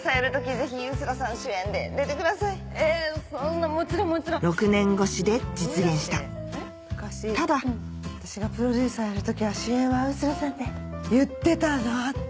ぜひ臼田さん主演で６年越しで実現したただ「私がプロデューサーやる時は主演は臼田さんで」って言ったなって。